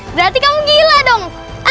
berarti kamu gila dong